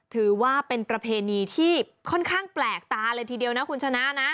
ถือว่าเป็นประเพณีที่ค่อนข้างแปลกตาเลยทีเดียวนะคุณชนะนะ